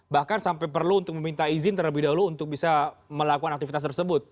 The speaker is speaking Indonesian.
bahkan sampai perlu untuk meminta izin terlebih dahulu untuk bisa melakukan aktivitas tersebut